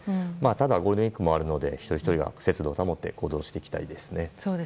ただ、ゴールデンウィークもあるので一人ひとりが節度を保って行動していきたいですね。